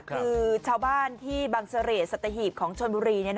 คือชาวบ้านที่บังเสร่สัตหีบของชนบุรี